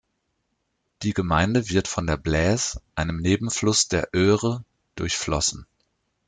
Die Gemeinde wird von der Blaise, einem Nebenfluss der Eure, durchflossen.